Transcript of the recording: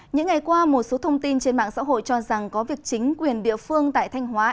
những ngày qua một số thông tin trên mạng xã hội cho rằng có việc chính quyền địa phương tại thanh hóa